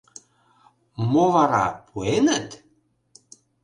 Мо вара, пуэныт.